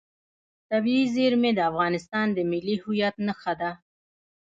طبیعي زیرمې د افغانستان د ملي هویت نښه ده.